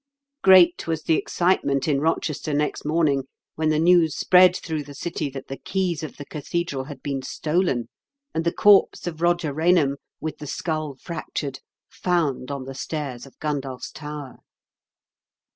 Great was the excitement in Rochester next morning when the news spread through the city that the keys of the cathedral had been stolen, and the corpse of Eoger Eainham, with the skull fractured, found on the stairs of Gundulph's Tower.